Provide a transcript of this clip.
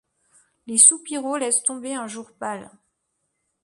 Les soupiraux laissent tomber un jour pâle.